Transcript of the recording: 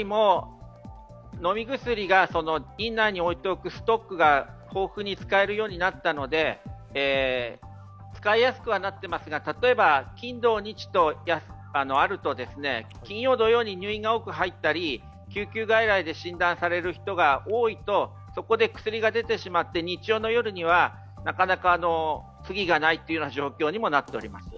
以前よりも飲み薬が院内に置いておくストックが豊富に使えるようになったので使いやすくはなってますが例えば金土日とあると、金曜、土用に入院が多く入ったり、診断される人が多いとそこで薬が出てしまって日曜の夜には、なかなか次がないというような状況にもなっております。